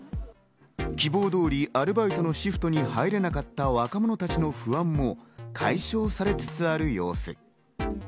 希望通りアルバイトのシフトに入れなかった若者たちの不安も解消されつつある様子。